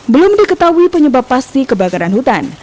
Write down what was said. belum diketahui penyebab pasti kebakaran hutan